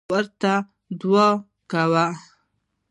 ورور ته دعاوې کوې.